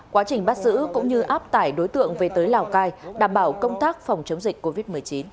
quá trình bắt giữ cũng như áp tải đối tượng về tới lào cai đảm bảo công tác phòng chống dịch covid một mươi chín